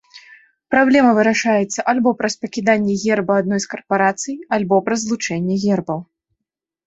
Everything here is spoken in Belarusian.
Праблема вырашаецца альбо праз пакіданне герба адной з карпарацый, альбо праз злучэнне гербаў.